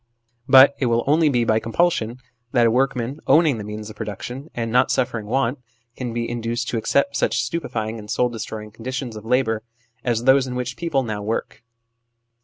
But it will only be by compulsion that a workman, owning the means of production and not suffering want, can be induced to accept such stupefying and soul destroying conditions of labour as those in which people now work.